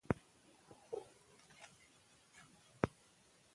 د ښځو عزت د ټولني د عزت برخه ده.